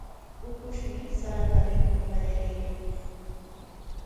Ukushmi sarata mikur qallariykan.